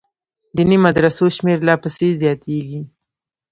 دیني مدرسو شمېر لا پسې زیاتېږي.